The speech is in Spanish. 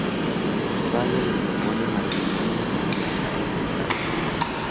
Oswaldo le propone matrimonio sin estar enamorado.